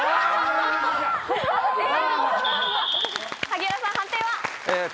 萩原さん判定は！